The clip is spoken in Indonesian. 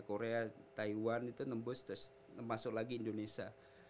korea taiwan itu nembus terus masuk lagi indonesia